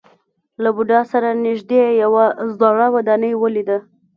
له بودا سره نژدې یوه زړه ودانۍ ولیده.